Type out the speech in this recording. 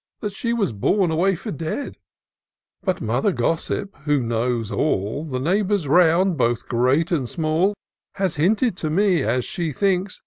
That she was borne away for dead; But Mother Gossip, who knows all The neighbours round, both great and small, Has hinted to me, as she thinks.